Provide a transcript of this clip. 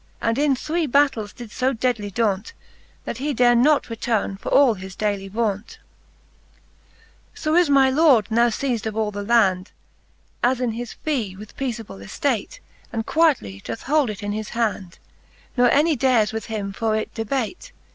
And in three battells did fo deadly daunt,, That he dare not returne for all his daily vaunt. I XXX. Sb Cant. IV. the Faerie Siueene, 267 XXX, So is my lord now feiz'd of all the land, As in his fee, with peaceable eftate. And quietly doth hold it in his hand, Ne any dares with him for it debate.